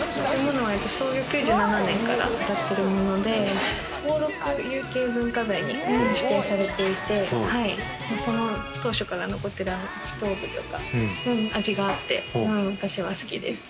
創業９７年からやってるもので、登録有形文化財に指定されていて、その当初から残ってるストーブとか味があって、私は好きです。